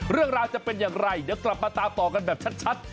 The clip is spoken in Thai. เรื่องราวจะเป็นอย่างไรเดี๋ยวกลับมาตามต่อกันแบบชัด